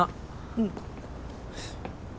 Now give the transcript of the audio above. うん。